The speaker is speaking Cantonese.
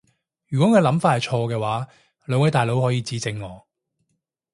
如果我嘅諗法係錯嘅話，兩位大佬可以指正我